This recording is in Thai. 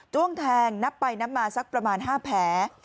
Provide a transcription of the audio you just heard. ้วงแทงนับไปนับมาสักประมาณ๕แผล